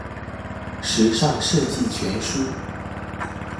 時尚設計全書